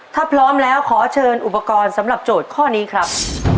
ถ้าพร้อมแล้วขอเชิญอุปกรณ์สำหรับโจทย์ข้อนี้ครับ